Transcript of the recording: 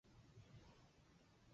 山东掖县人。